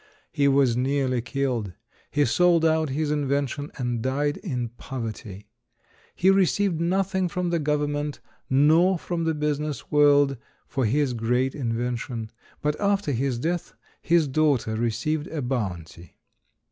He was nearly killed. He sold out his invention and died in poverty. He received nothing from the government nor from the business world for his great invention. But after his death his daughter received a bounty.